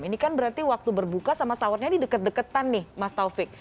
ini kan berarti waktu berbuka sama sahurnya ini deket deketan nih mas taufik